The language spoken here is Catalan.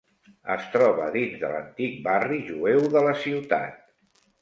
Es troba dins de l'antic barri jueu de la ciutat.